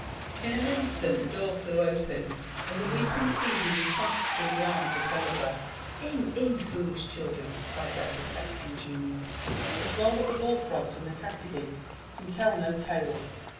In an instant the door flew open, and the weeping Phebe was clasped in the arms of her lover. " In, in, foolish children !" cried (hehr protecting genius. It's well that the bull frogs and the cattiedids can tell no tales."